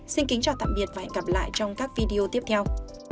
xin kính chào tạm biệt và hẹn gặp lại trong các video tiếp theo